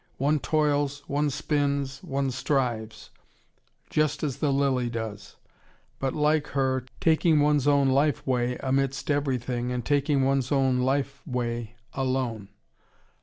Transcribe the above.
One toils, one spins, one strives: just as the lily does. But like her, taking one's own life way amidst everything, and taking one's own life way alone.